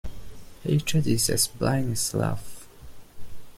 Hatred is as blind as love.